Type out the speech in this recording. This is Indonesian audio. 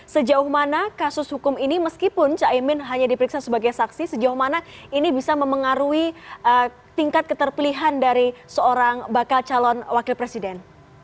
sejauh mana kasus hukum ini meskipun caimin hanya diperiksa sebagai saksi sejauh mana ini bisa memengaruhi tingkat keterpilihan dari seorang bakal calon wakil presiden